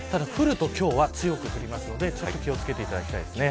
ただ降ると今日は強く降りますので気を付けていただきたいです。